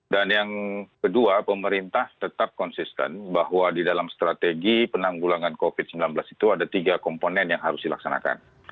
dan yang kedua pemerintah tetap konsisten bahwa di dalam strategi penanggulangan covid sembilan belas itu ada tiga komponen yang harus dilaksanakan